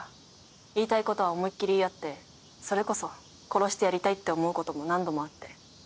言いたいことは思いっきり言い合ってそれこそ殺してやりたいって思うことも何度もあって。